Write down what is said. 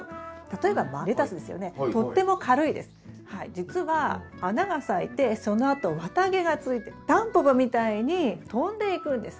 じつは花が咲いてそのあと綿毛がついてタンポポみたいに飛んでいくんです。